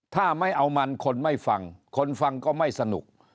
ถ้าไม่เอามันคนไม่ฟังคนฟังก็ไม่สนุก